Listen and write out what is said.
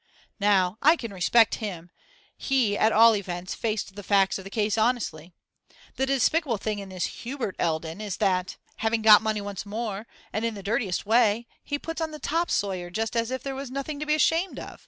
Now I can respect him: he at all events faced the facts of the case honestly. The despicable thing in this Hubert Eldon is that, having got money once more, and in the dirtiest way, he puts on the top sawyer just as if there was nothing to be ashamed of.